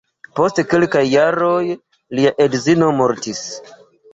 Post kelkaj jaroj lia edzino mortis.